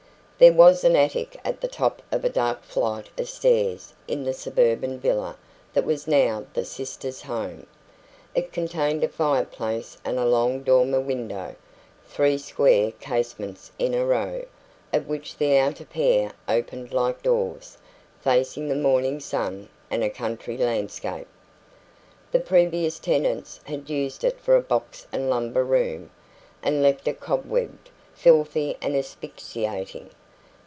There was an attic at the top of a dark flight of stairs in the suburban villa that was now the sisters' home. It contained a fireplace and a long dormer window three square casements in a row, of which the outer pair opened like doors facing the morning sun and a country landscape. The previous tenants had used it for a box and lumber room, and left it cobwebbed, filthy and asphyxiating.